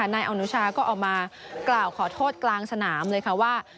นายอนุชาก็ออกมากล่าวขอโทษกลางสนามเลยค่ะว่า